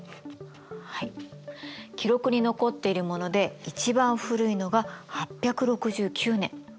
記録に残っているもので一番古いのが８６９年。